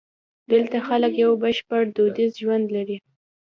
دلته خلک یو بشپړ دودیز ژوند لري.